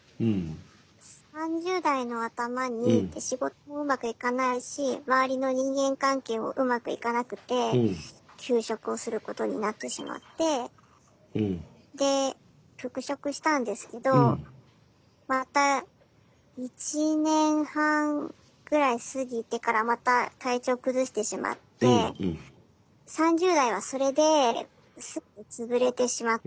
３０代のあたまに仕事もうまくいかないし周りの人間関係もうまくいかなくて休職をすることになってしまってで復職したんですけどまた１年半ぐらい過ぎてからまた体調崩してしまって３０代はそれで全てつぶれてしまったんですね。